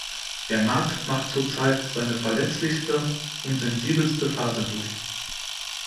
Der Markt macht zurzeit seine verletzlichste und sensibelste Phase durch.